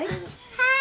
はい。